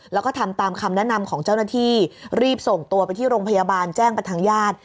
แล้วก็ทำตามคำแนะนำของเจ้าหน้าที่รีบส่งตัวไปที่โรงพยาบาลแจ้งไปทางญาติ